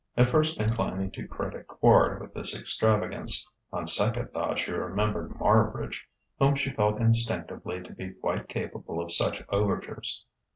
At first inclining to credit Quard with this extravagance, on second thought she remembered Marbridge, whom she felt instinctively to be quite capable of such overtures.